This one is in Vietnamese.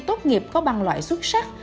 tốt nghiệp có bằng loại xuất sắc